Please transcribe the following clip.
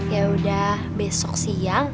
ya udah besok siang